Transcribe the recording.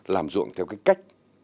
làm dụng theo cái cách